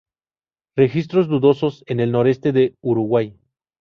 Registros dudosos en el noreste del Uruguay.